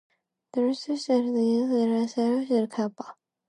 Throughout his adventure, Pockle is assisted by his dog Tao and his girlfriend Kyappa.